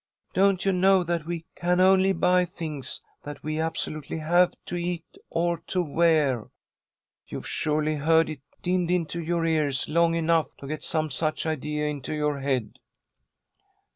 Don't you know that we can only buy things that we absolutely have to eat or to wear? You've surely heard it dinned into your ears long enough to get some such idea into your head."